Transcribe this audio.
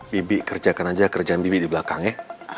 bibi kerjakan aja kerjaan bibi di belakang ya